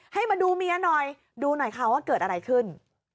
ให้มาดูเมียหน่อยดูหน่อยค่ะว่าเกิดอะไรขึ้น